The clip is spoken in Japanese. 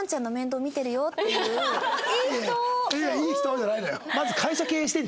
「いい人！」じゃないのよ。